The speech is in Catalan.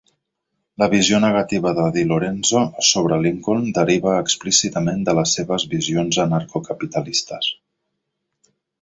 La visió negativa de DiLorenzo sobre Lincoln deriva explícitament de les seves visions anarco-capitalistes.